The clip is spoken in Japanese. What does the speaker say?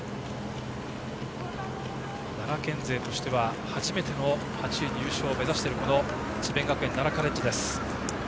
奈良県勢としては初めての８位入賞を目指している智弁学園奈良カレッジです。